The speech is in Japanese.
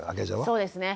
そうですね。